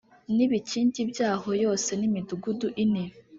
n ibikingi byaho yose ni imidugudu ine